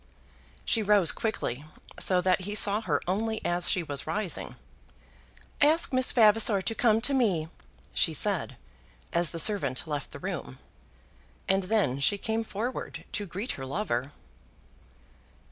She rose quickly, so that he saw her only as she was rising. "Ask Miss Vavasor to come to me," she said, as the servant left the room; and then she came forward to greet her lover.